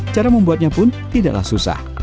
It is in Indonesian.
cara membuatnya pun tidaklah susah